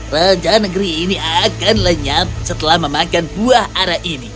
raja negeri ini akan lenyap setelah memakan buah arah ini